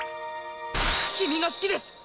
君が好きです